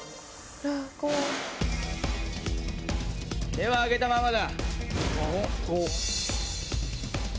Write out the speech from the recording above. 手は上げたままだ。